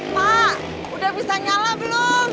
pak udah bisa nyala belum